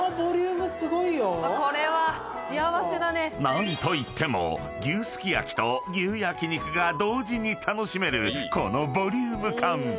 ［何といっても牛すき焼きと牛焼肉が同時に楽しめるこのボリューム感］